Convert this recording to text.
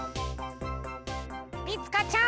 りつかちゃん！